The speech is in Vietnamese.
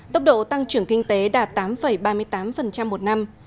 tốc độ tăng trưởng kinh tế đạt tám ba mươi tám một năm